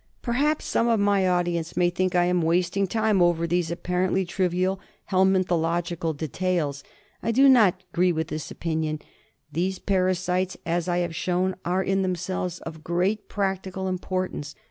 Perhaps some of my audience may think I am wasting time over these apparently trivial helmintholo^icaL de tails. I do not agree with this opinion. These parasites, as I have shown, are in themselves of great practical importance.